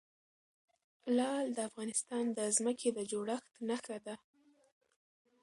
لعل د افغانستان د ځمکې د جوړښت نښه ده.